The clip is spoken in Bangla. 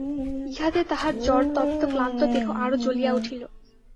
ইহাতে তাহার জ্বরতপ্ত ক্লান্ত দেহ আরো জ্বলিয়া উঠিল।